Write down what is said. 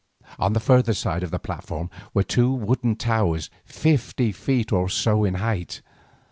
On the further side of the platform were two wooden towers fifty feet or so in height.